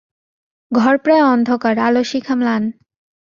ঘর প্রায় অন্ধকার, আলোর শিখা ম্লান।